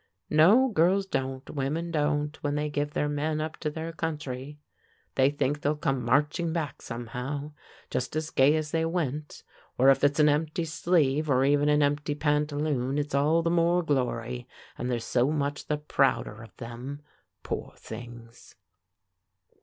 "No, girls don't; women don't, when they give their men up to their country. They think they'll come marching back, somehow, just as gay as they went, or if it's an empty sleeve, or even an empty pantaloon, it's all the more glory, and they're so much the prouder of them, poor things."